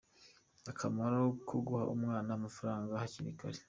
Akamaro ko guha umwana amafaranga hakiri kare.